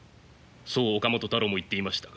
そう岡本太郎も言っていましたが。